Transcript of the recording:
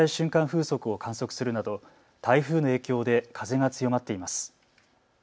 風速を観測するなど台風の影響で風が強まっています。